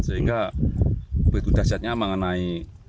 sehingga berita dasarnya mengenai